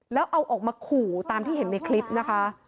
แล้วเอาออกมาขู่ตามที่เห็นในคลิปนะคะ